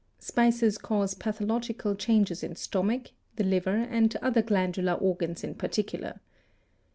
Spices cause pathological changes in stomach, the liver and other glandular organs in particular.